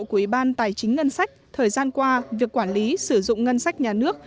của ủy ban tài chính ngân sách thời gian qua việc quản lý sử dụng ngân sách nhà nước